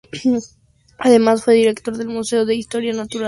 Además, fue director del Museo de historia natural de Pavía, Italia.